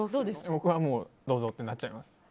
僕はもうどうぞってなっちゃいます。